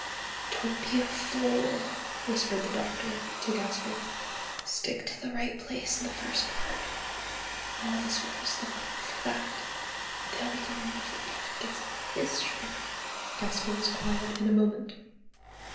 "Don't be a fool," whispered the Doctor to Gasper. "Stick to your right place in the first part; all the swells look for that. They'll be gone before Puffin gets his turn." Gasper was quiet in a moment.